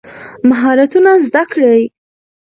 مهارتونه زده کړئ.